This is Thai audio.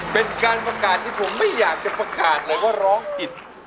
เป็นการประกาศที่ผมไม่อยากจะประกาศเลยว่าร้องผิด